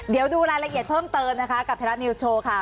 เดี๋ยวดูรายละเอียดเพิ่มเติมนะคะกับไทยรัฐนิวส์โชว์ค่ะ